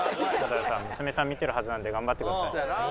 娘さん見てるはずなんで頑張ってください。